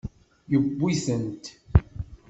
Yewwi-tent.